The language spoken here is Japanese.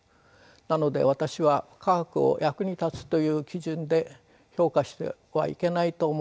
なので私は科学を役に立つという基準で評価してはいけないと思うのです。